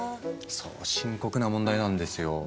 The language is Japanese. そう深刻な問題なんですよ。